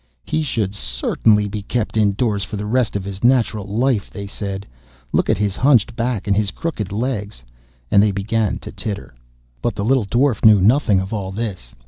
'He should certainly be kept indoors for the rest of his natural life,' they said. 'Look at his hunched back, and his crooked legs,' and they began to titter. But the little Dwarf knew nothing of all this.